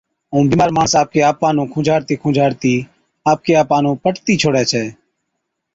ائُون بِيمار ماڻس آپڪي آپا نُون کُنجھاڙتِي کُنجھاڙتِي آپڪي آپا نُون پٽتِي ڇوڙَي ڇَي